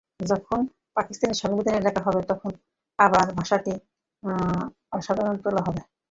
যখন পাকিস্তান সংবিধান লেখা হবে, তখন ভাষার বিষয়টি আবার তোলা হবে।